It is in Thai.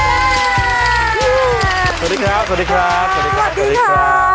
สวัสดีครับสวัสดีครับสวัสดีครับสวัสดีครับ